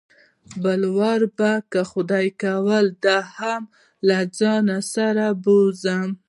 بل وار به که خدای کول دا هم له ځان سره بوځم.